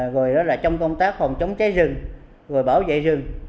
rồi đó là trong công tác phòng chống cháy rừng rồi bảo vệ rừng